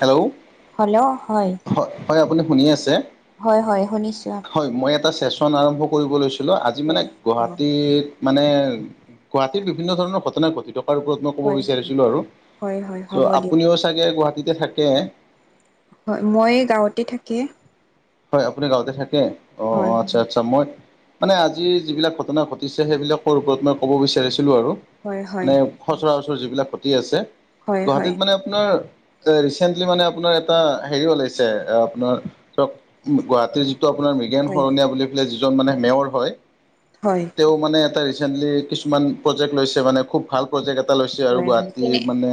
Hello! Hello? হয়। হয়। হয়, আপুনি শুনি আছে? হয় হয়। শুনিছোঁ। হয়। মই এটা চেচন আৰম্ভ কৰিব লৈছিলোঁ। আজি মানে গুৱাহাটীত মানে গুৱাহাটীত বিভিন্ন ধৰণৰ ঘটনা ঘটি থকাৰ ওপৰত মোক ক'ব হয়, হয়, বিচাৰিছিলো আৰু। হয়, হয় চ' হ'ব দিয়ক। আপুনিও চাগে গুৱাহাটীতে থাকে? হয়। মই গাঁৱতে থাকে। হয় আপুনি গাঁৱতে থাকে। অ হয়, -, আচ্ছা- আচ্ছা মই মানে আজি যিবিলাক ঘটনা ঘটিছে, সেইবিলাকৰ ওপৰত মই ক'ব বিচাৰিছিলোঁ আৰু। হয়, হয়, মানে হয়, সচৰাচৰ যিবিলাক ঘটি আছে। হয়, হয়, গুৱাহাটীত মানে আপোনাৰ, যে ৰিচেণ্টলি মানে আপোনাৰ এটা হেৰি ওলাইছে। আপোনাৰ, ধৰক গুৱাহাটীৰ যিটো আপোনাৰ মৃগেন হয়। শৰণীয়া বুলি পেলাই যিজন মানে মেয়ৰ হয়। হয়। তেওঁ মানে এটা ৰিচেন্টলি কিছুমান প্ৰজেক্ট লৈছে, মানে খুব ভাল। প্ৰজেক্ট এটা লৈছে আৰু। হয়, গুৱাহাটীৰ কেনে মানে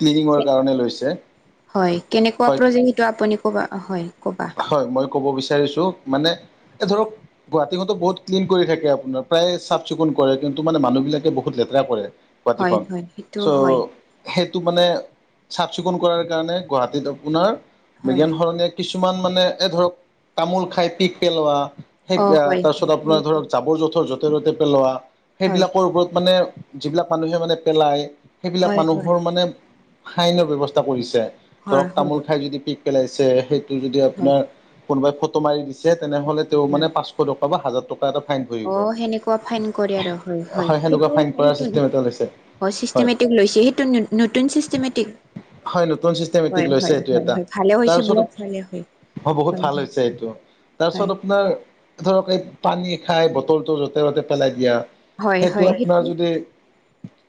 ক্লিনিঙৰ কাৰণে লৈছে। হয় কেনেকুৱা হয় প্ৰজেক্ট সেইটো আপুনি ক'বা হয় ক'বা হয় মই ক'ব বিচাৰিছো মানে এ ধৰক গুৱাহাটীখনতো বহুত ক্লিন কৰি থাকে আপোনাৰ প্ৰায় চাফ চিকুণ কৰে কিন্তু মানে মানুহবিলাকে বহুত লেতেৰা কৰে হয়, গুৱাহাটীখন হয়, সেইটো চ' হয়, সেইটো মানে চাফ চিকুণ কৰাৰ কাৰণে গুৱাহাটীত আপোনাৰ হয়। বিজ্ঞান শৰণীয় কিছুমান মানে এ ধৰক তামোল খাই পিক পেলোৱা সেই অ', গা হয়, তাৰপিছত আপোনাৰ সেনেকুৱা ধৰক, জাবৰ- জোথৰ যতে -ততে পেলোৱা। হয়, সেইবিলাকৰ ওপৰত মানে যিবিলাক মানুহে মানে পেলায়। সেইবিলাক হয়, হয়, মানুহৰ মানে ফাইনৰ ব্যৱস্থা কৰিছে। হয়, ধৰক হয়, তামোল খাই যদি, পিক পেলাইছে সেইটো যদি হয়, আপোনাৰ কোনোবাই ফটো মাৰি দিছে। তেনেহলে তেওঁ হয়। মানে পাচ দুশ টকা বা হাজাৰ টকা। ফাইন ধৰিব। অ', সেনেকুৱা ফাইন কৰে আৰু হয়, হয় সেনেকুৱা ফাইন কৰা চিষ্টেম এটা লৈছে। অ, হয় চিষ্টেমেটিক লৈছে সেইটো নতুন চিষ্টেমেটিক। হয় নতুন চিষ্টেমেটিক হয় লৈছে। হয় সেইটো হয় এটা হয় ভালে হৈছে তাৰপিছত, বহুত ভালে হয় অ, বহুত হয় ভাল হৈছে সেইটো। তাৰপিছত আপোনাৰ, ধৰক এই পানী খাই বটলটো য'তে -ত'তে পেলাই দিয়া। হয় সেইটো হয় হয় হয় আপোনাৰ সেইটোৱে যদি-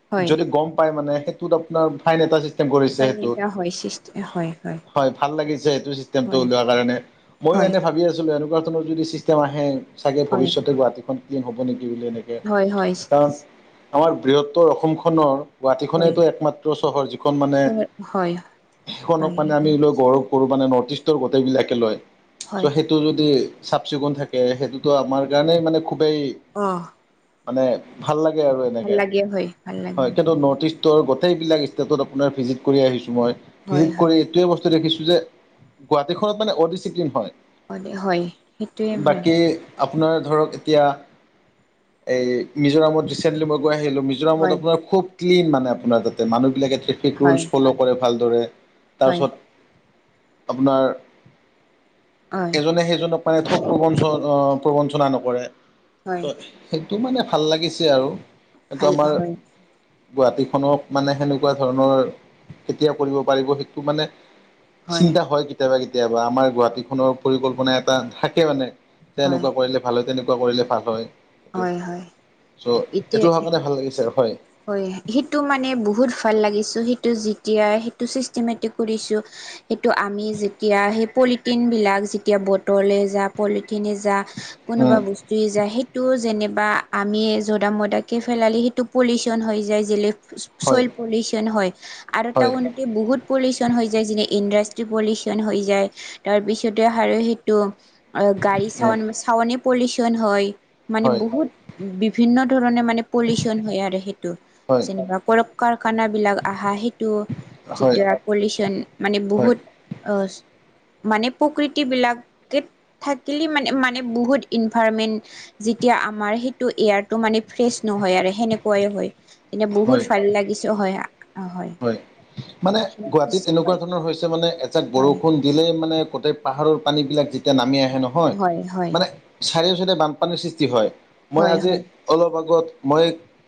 হয় যদি গম পাই মানে, সেইটোত আপোনাৰ ফাইন এটা কৰিছে সেইটো। চাৰিটা হয় সৃষ্টি হয় হয় ভাল লাগিছে চিষ্টেম এটা হয় উলিয়াই। কাৰণে, ময়ো হয় এনে ভাবি আছিলোঁ এনেকুৱা ধৰণৰ যদি চিষ্টেম আহে চাগে হয় ভৱিষ্যতে গুৱাহাটীখন, হ'ব নেকি বুলি। এনেকে হয় হয় কাৰণ আমাৰ বৃহত্তৰ অসম খনৰ হয় গুৱাহাটীখনেইটো একমাত্ৰ চহৰ। যিখন মানে হয় হয় সেইখনক মানে আমি লৈ গৌৰৱ কৰোবানে নৰ্থ ইষ্টৰ গোটেই বিলাকে লয়। হয় তোৰ যদি চাফ চিকুণ থাকে। সেইটোৱে টো আমাৰ কাৰণেই মানে খুবেই, অ। মানে ভাল লাগে আৰু। ভাল এনেকে লাগে ভাল লাগে হয়, কিন্তু নৰ্থ ইষ্ট টৰ গোটেইবিলাক ষ্টেত আপোনাৰ ভিজিট কৰি আহিছো মই। হয় ভিজিট কৰি এইটোৱে বস্তু দেখিছো যে, গুৱাহাটীখনত মানে অডিচিপ্লিন হয়। হয় হয় সেইটোৱে মেম বাকী আপোনাৰ ধৰক, এতিয়া এই মিজোৰামত ৰিচেণ্টলি মই গৈ আহিলোঁ। মিজ হয় আপোনাৰ খুব ক্লিন মানে। আপোনাৰ তাতে মানুহ বিলাকে ট্ৰেফিক ৰুল হয় ফল' কৰে ভালদৰে। হয় তাৰপিছত। আপোনাৰ। হয় এজনে এজনক পাই ঠক প্ৰবনচক অ। প্ৰবঞ্চনা নকৰে। হয় সেইটো মানে ভাল লাগিছে আৰু। কিন্তু ভাল আমাৰ। হয় গুৱাহাটীখনক মানে সেনেকুৱা ধৰণৰ, কেতিয়া কৰিব পাৰিব সেইটো মানে। চিন্তা হয়। কেতিয়াবা -কেতিয়াবা আমাৰ গুৱাহাটীখনৰ পৰিকল্পনা এটা থাকে মানে। যে হয় এনেকুৱা কৰিলে ভাল হয় তেনেকুৱা কৰিলে ভাল হয়। হয় হয় চ' এইটো এতিয়া অহাৰ কাৰণে ভাল লাগিছে। হয় হয়। সেইটো মানে বহুত ভাল লাগিছে সেইটো যেতিয়াই সেইটো চিষ্টেমেটিক কৰিছো। সেইটো আমি যেতিয়া, সেই পলিথিন বিলাক যেতিয়া বটলে যা পলিথিনে যা। কোনোবা উম বস্তুয়ে যায়, সেইটো যেনিবা আমিয়ে য'ত মদাকে ফেলালে সেইটো- পলিউশন হৈ যায় যেলে, হয় চইল পলিউচন হয়। আৰু হয় টাউন এতি বহুত পলিউশচন হৈ যায়। যেনে, ইণ্ডাষ্ট্ৰি পলিউচন হৈ যায়। তাৰ পিছতে হাৰে সেইটো। গাড়ী উম চাউণ্ড চাউণ্ড পলিউচন হয়। মানে হয় বহুত বিভিন্ন ধৰণে মানে পলিউচন হয় আৰু সেইটো। হয় যেনেবা- কাৰখানা বিলাক আহা সেইটো, হয় যেতিয়া পলিউচন, মানে হয় বহুত মানে প্ৰকৃতি বিলাকে থাকিলে মানে মানে বহুত ইনভাৰমেন্ট যেতিয়া আমাৰ সেইটো এয়াৰটো মানে ফ্ৰেচ নহয় আৰু সেনেকুৱা কোৱাই হয়। এনে বহুত হয় ভাল লাগিছ হয়। হয়, মানে হয় গুৱাহাটীত এনেকুৱা ধৰণৰ হৈছে মানে এজাক বৰষুণ দিলেই মানে, গোটেই পাহাৰৰ পানীবিলাক যেতিয়া নামি আহে নহয়। হয় মানে- চাৰিও চাইদে বানপানীৰ সৃষ্টি হয়। মই হয় হয় হয় হয় আজি- অলপ আগত মই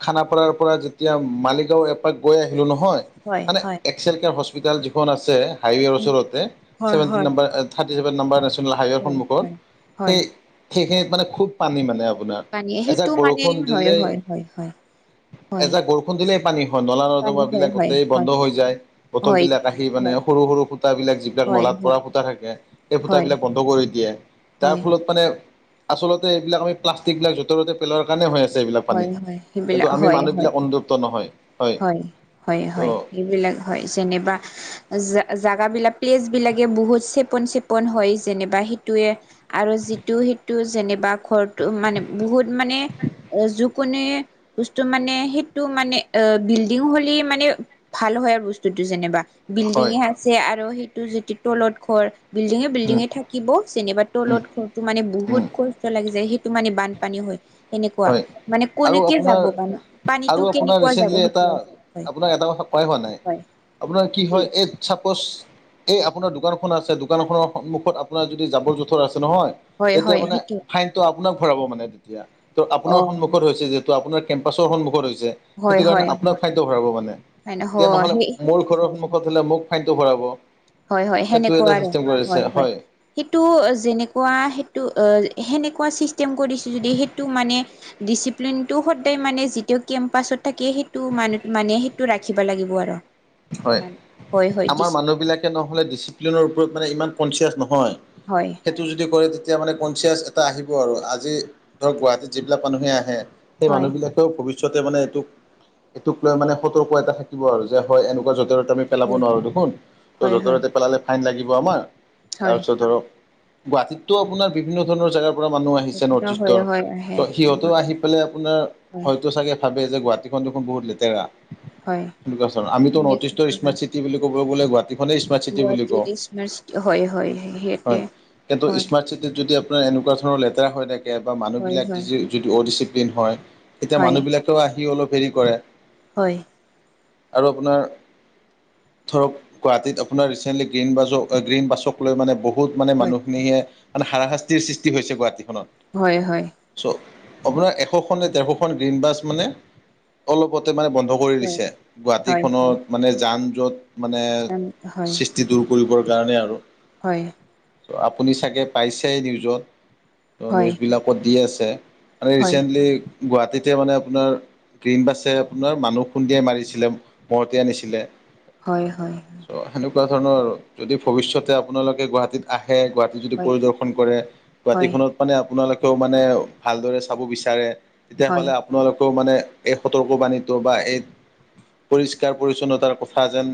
খানাপাৰাৰ পৰা যেতিয়া, মালিগাঁও এপাক গৈ আহিলোঁ নহয়। মানে হয় একচুৱেলকে যি খন হস্পিতাল যিখন আছে, হাইৱে ওচৰতে। হয় চেভেনটি হয় হয় হয় number - thirty seven number national হাইৱেৰ সন্মুখত, হয় হয় সেই সেইখিনিত মানে খুব পানী মানে আপোনাৰ। পানী এজাক সেইটো মানে বৰষুণ হয় দিলে। হয় হয় হয় হয় এজাক বৰষুণ দিলেই পানী হয়। নলা পানী নৰ্দমা হয় বিলাক হয় গোটেই বন্ধ হয় হৈ যায়। বটল হয় বিলাক আহি মানে, হয় সৰু -সৰু ফুটা বিলাক, যিবিলাক হয় নলাত পৰা হয় ফুটা থাকে। সেই হয় ফুটাবলাক বন্ধ কৰি দিয়ে। তাৰ হয় ফলত- মানে আচলতে এইবিলাক আমি প্লাষ্টিক বিলাক য'তে ততে পেলোৱাৰ কাৰণে হৈ আছে এইবিলাক পানী। হয় হয় কিন্তু সেইবিলাক আমি হয় হয় মানুহবিলাক অনুতপ্ত নহয়। হয়, হয় হয়। ত' এইবিলাক হয়, যেনেবা- জা জাগা বিলাক প্লেচ বিলাকে বহুত চেপন চেপন হয় যেনিবা সেইটোৱে, আৰু যিটো সেইটো যেনেবা ঘৰটো মানে বহুত মানে, হয় [inaudible] যোকোনে বস্তু মানে সেইটো মানে এ বিল্ডিং হলে মানে, ভাল হয় বস্তুটো যেনিবা। হয় বিল্ডিঙে আছে আৰু সেইটো যিটো তলত ঘৰ, বিল্ডিঙে উম বিল্ডিঙে থাকি- থাকিব। যেনিবা উম তলত ঘৰটো মানে বহুত উম কষ্ট লাগি যায়, সেইটো মানে বানপানী হয়, সেনে- কুৱা। হয় মানে আৰু কনেকে আপোনাৰ যাব পানী, আৰু পানীটো আপোনাৰ কেনেকুৱা যাব? ৰিচেণ্টলি এটা সেইটোৱে হয়, আপোনাক এটা কথা কোৱাই হোৱা নাই। হয় আপোনাৰ কি হয়, এই চাপ'জ, এই আপোনাৰ দোকানখন আছে, দোকানখনৰ সন্মুখত আপোনাৰ যদি জাৱৰ-জোঁথৰ আছে নহয় হয় তেতিয়া হয় মানে সেইটো ফাইনটো আপোনাক ভৰাব মানে তেতিয়া। ত' অ আপোনাৰ সন্মুখত হৈছে যিহেতু আপোনাৰ কেম্পাছৰ সন্মুখত হৈছে। হয় সেইটোকাৰণে হয় আপোনাৰ হয় ফাইনটো ভৰাব মানে। এতিয়া হয় নহ'লে সেই মোৰ ঘৰৰ সন্মুখত হ'লে মোক ফাইনটো ভৰাব। হয়, হয়, সেইটো এটা সেনেকুৱা আৰু। চিষ্টেম কৰিছে হয়, হয়। সেইটো যেনেকুৱা সেইটো, সেনেকুৱা চিষ্টেম কৰিছে যদি যদি সেইটো মানে ডিচিপ্লিনটো সতে মানে যিটো কেম্পাছত থাকে, সেইটো মানে সেইটো ৰাখিব লাগিব আৰু। হয়, মানে হয় হয় আমাৰ দিছে মানুহবিলাকে নহ'লে ডিচিপ্লিনৰ ওপৰত মানে ইমান কনচিয়াচ নহয়। হয়, সেইটো যদি কৰে, তেতিয়া মানে কনচিয়াছ এটা আহিব আৰু। আজি ধৰক, গুৱাহাটীত যিবিলাক মানুহে আহে সেই হয় মানুহবিলাকেও ভৱিষ্যতে মানে এইটোক, এইটোক লৈ মানে সতৰ্ক এটা থাকিব আৰু যে হয়, এনেকুৱা য'তে - ত'তে আমি পেলাব হয় নোৱাৰোঁ দেখোন। ত' হয় য'তে - হয় হয় ত'তে পেলালে ফাইন লাগিব আমাৰ। তাৰপিছত ধৰক, গুৱাহাটীতটো আপোনাৰ বিভিন্ন ধৰণৰ জেগাৰ মানুহ আহিছে নৰ্থ হয় ইষ্টৰ। হয় হয় চ' সিহঁতেও আহি পেলাই আপোনাৰ হয় হয়তো চাগে ভাবে যে, গুৱাহাটীখন দেখোন বহুত লেতেৰা। হয়। সেনেকুৱা ধৰণৰ আমিতো নৰ্থ ইষ্টৰ সেনেকুৱা হয় স্মাৰ্ট চিটি বুলি কবলে গলে গুৱাহাটী স্মাৰ্ট চিটি বুলি কওঁ, গুৱাহাটীত স্মাৰ্ট হয় হয় সিহঁতে হয় কিন্তু হয় স্মাৰ্ট চিটি যদি আপোনাৰ এনেকুৱা ধৰণৰ লেতেৰা হৈ থাকে বা হয় মানুহবিলাক হয় যদি অ'ডিচিপ্লিন হয় এতিয়া হয় মানুহ বিলাকেও আহি অলপ হেৰি কৰে হয়। আৰু আপোনাৰ ধৰক গুৱাহাটীত আপোনাৰ ৰিচেণ্টলি গ্ৰীণ বাজ গ্ৰীণ বাছক লৈ মানে বহুত বহুত মানে মানুহখিনিহে মানে হাৰা-শাস্তিৰ সৃষ্টি হৈছে গুৱাহাটীখনত। হয় হয়। চ' আপোনাৰ এশ খন নে ডেৰশ খন গ্ৰীণ বাছ মানে অলপতে মানে বন্ধ কৰি দিছে। হয় হয় হয় গুৱাহাটীখনত মানে যান জ'ট মানে যাম হয় সৃষ্টি দূৰ কৰিবৰ কাৰণে আৰু। হয়। ত' আপুনি চাগে পাইছেই নিউজত? ত' হয় হয় নিউজবিলাকত দি আছে। মানে হয় ৰিচেণ্টলি গুৱাহাটীতে মানে আপোনাৰ গ্ৰীণবাছে আপোনাৰ মানুহ খুন্দিয়াই মাৰিছে। মহতিয়াই নিছিলে। হয়, হয়। চ' সেনেকুৱা ধৰণৰ আৰু, যদি ভৱিষ্যতে আপোনালোকে গুৱাহাটীত আহে, গুৱাহা যদি পৰিদৰ্শন কৰে, হয় গুৱাটীখনত মানে আপোনালোকেও মানে ভালদৰে চাব বিচাৰে তেতিয়া হয় হ'লে আপোনালোকেও মানে এই সতৰ্কবাণীতো বা এই পৰিষ্কাৰ- পৰিচ্ছন্নতাৰ কথা যেন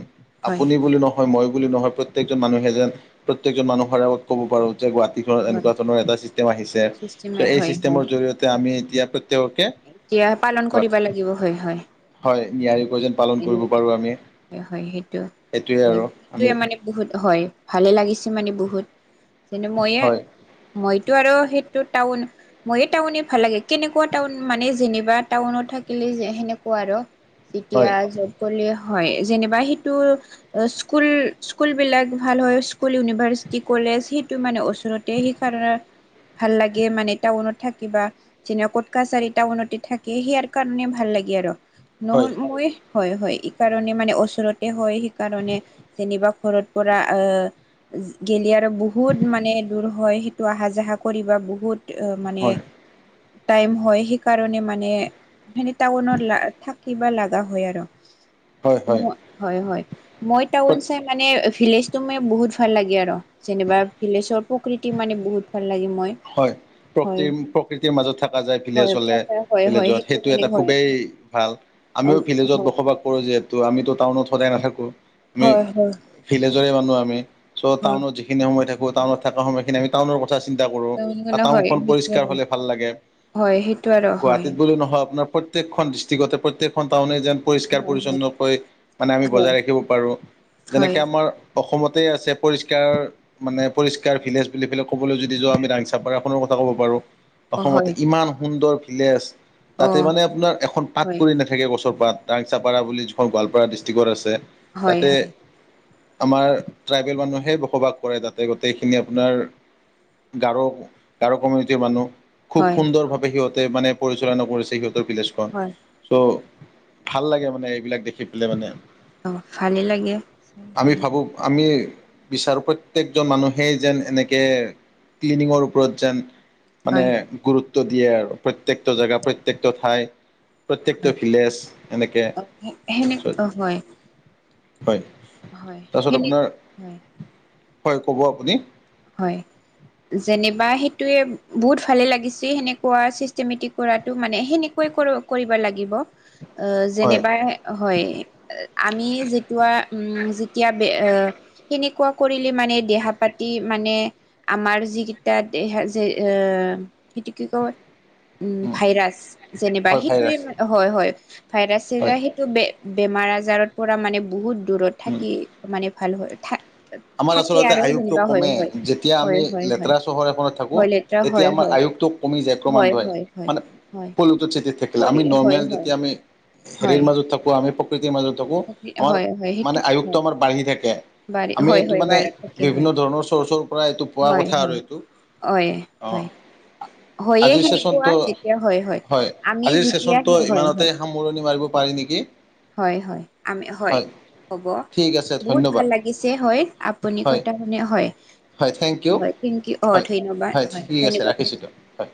হয় আপুনি বুলি নহ হয় মই বুলি নহয় প্ৰত্যেকজন মানুহে যেন প্ৰত্যেকজন মানুহৰ আগত ক'ব পাৰো যে গুৱাহাটীখনত হয় এনেকুৱা ধৰণৰ এটা ছিষ্টেম আহিছে, চিষ্টেমে চ' এই হয় হয় চিষ্টেমৰ জৰিয়তে আমি এতিয়া প্ৰত্যেককে এতিয়া পালন কৰিব গুৱাহাটী লাগিব হয় হয়। হয় নিয়াৰিকৈ যেন পালন এনে কৰিব পাৰো আমি হয় হয় সেইটো সেইটোৱে হয় আৰু আমি সেইটোৱে মানে বহুত হয় ভালে লাগিছে মানে বহুত যেনে মইয়ে হয় মইতো আৰু সেইটো টাউন মইয়ে টাউনে ভাল লাগে কেনেকুৱা টাউন মানে যেনিবা টাউনত থাকিলে যে সেনেকুৱা আৰু। এতিয়া হয় যব কলে হয় যেনিবা সেইটো স্কুল স্কুলবিলাক ভাল হয় স্কুল, ইউনিভাৰ্চিটি, কলেজ সেইটো মানে ওচৰত তে সেইকাৰণে ভাল লাগে মানে টাউনত থাকিবা। যেনে কট কছাৰি টাউনতে থাকে সেইয়াৰ কাৰণে ভাল লাগে আৰু নহলে হয় হয় হয় ইকাৰণে মানে ওচৰতে হয় সেইকাৰণে যেনিবা ঘৰত পৰা আ গেলি আৰু বহুত মানে দূৰ হয় সেইটো আহা যাহা কৰিব বহুত অঁ মানে হয় টাইম হয় সেইকাৰণে মানে টাউনত লা থাকিব লা লগা হয় আৰু হয় ম হয় হয় হয়, মই টাউন চাই মানে ভিলেজ টো মে বহুত ভাল লাগে আৰু। যেনিবা ভিলেজৰ প্ৰকৃতি মানে বহুত ভাল লাগে মই। হয়, হয় প্ৰকৃ প্ৰকৃতিৰ মাজত থকা যায় হয় ভিলেজ হ'লে- থকা হয় হয় ভিলেজত, সেইটো মানে এটা হয় খুবেই ভাল, আমিও হয় ভিলেজত বসবাস হয় কৰোঁ যিহেতু আমিতো টাউনত সদায় নাথাকো, আমি হয় ভিলেজৰে মানুহ আমি চ' টাউনত যিখিনি সময় থাকো টাউনত থকা সময়খিনি আমি টাউনৰ কথা চিন্তা কৰোঁ। হয় হয় টাউনখন সেইটোৱে পৰিষ্কাৰ হয় হ'লে ভাল লাগে, হয় সেইটো আৰু হয় গুৱাহাটীত বুলি নহয় আপোনাৰ প্ৰ প্ৰত্যেকখন ডিষ্ট্ৰিকটতে প্ৰত্যেকখন টাউনে যেন পৰিষ্কাৰ হয় হয় -পৰিচ্ছন্নকৈ মানে আমি হয় বজাই ৰাখিব পাৰোঁ হয় যেনেকে আমাৰ অসমতে আছে পৰিষ্কাৰ মানে পৰিষ্কাৰ ভিলেজ বুলি পেলে ক'বলৈ যদি যোৱা আমি দাঙ তাৰপা এখনৰো কথা ক'ব পাৰো অ হয় অসমতে ইমান সুন্দৰ ভিলেজ অ তাতে মানে আপোনাৰ এখন পাত হয় পৰি নাথ থাকে গছৰপাত, টাংচাপাৰা বুলি যিখন গোৱালপাৰা ডিষ্ট্ৰিক আছে হয় তাতে হয় আমাৰ ট্ৰাইবেল মানুহেই বসবাস কৰে তাতে গোটেইখিনি আপোনাৰ গাৰ গাৰু কমিউনিটিৰ মানুহ খুব হয় সুন্দৰভাৱে সিহঁতে মানে পৰিচালনা কৰিছে সিহঁতৰ ভিলেজখন। হয় চ' ভাল লাগে মানে এইবিলাক দেখি পেলাই মানে। অঁ' ভালেই লাগে। আমি মানে ভাবো আমি বিচাৰো প্ৰত্যেকজন মানুহেই যেন এনেকে ক্লিনিংৰ ওপৰত যেন মানে হয় গুৰুত্ব দিয়ে আৰু প্ৰত্যেকটো জেগা প্ৰত্যেকটো ঠাই- প্ৰত্যেকটো হয় ভিলেজ এনেকে অ সেনে অ হয়। হয় তাৰপিছত সেনে আপোনাৰ, হয় হয় ক'ব আপুনি? হয়। যেনবা সেইটোয়ে বহুত ভালে লাগিছে সেনেকোৱা ছিষ্টেমেটিক কৰাটো মানে সেনে- কৰিব কৰিবা লাগিব হয় জেনিবা হয়, আমি- কোৱা উম' যেতিয়া বে সেনেকুৱা কৰিলে মানে দেহা পাতি- মানে আমাৰ যিকেইটা এ সেইটো কি কয়- উম ভাইৰাছ যেনিবা হয় ভাইৰাছ সেইটোৱে হয় হয়, ভাইৰাছ হয় [unintelligible] বে বেমাৰ আজাৰৰ পৰা মানে বহুত দূৰত থাকি মানে ভাল হয়। আমাৰ থাকে আচলতে আৰু আয়ুসটো যেনিবা হয় কমে হয় যেতিয়া হয় আমি হয় হয় লেতেৰা চহৰ এখনত থাকো হয় লেতেৰা তেতিয়া হয় আমাৰ হয় আয়ুস- টো কমি যায় হয় কমানৰই হয় হয় মানে হয় [unintelligible] ঠিকে থাকিল আমি পলি হয় নৰ্মেল হয় যেতিয়া আমি হয় হেৰিৰ মাজত থাকো আমি- প্ৰকৃতিৰ মাজত থাকো আমাৰ হয় মানে আয়ুটো আমাৰ বাঢ়ি থাকে। বাঢ়ে আমি হয় এইটো হয়, মানে বাঢ়ি থাকে বিভিন্ন হয়, ধৰণৰ চৰ্চৰ পৰা এইটো পোৱা হয় কথা আৰু হয়। এইটো হয় অঁ হয়। হয়য়ে আজিৰ সেনেকুৱা চেচনটো যেতিয়া হয় হয়, আমি যেতিয়া হয় হয়। মৰণি মাৰিব পাৰি নেকি। হয় হয়, আমি হয়, হ'ব ঠিক আছে বহুত ভাল ধন্যবাদ লাগিছে হয়- আপুনি হয় কথা শুনি হয়, হয় থেংক ইউ হয় থেংকছ ইউ অঁ হয় ধন্যবাদ, হয় ঠিক আছে ধন্যবাদ ৰাখিছোঁ থাকিল। দিয়ক হয়